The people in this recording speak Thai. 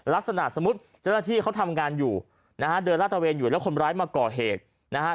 ลักษณะสมมุติเจ้าหน้าที่เขาทำงานอยู่นะฮะเดินลาดตะเวนอยู่แล้วคนร้ายมาก่อเหตุนะฮะ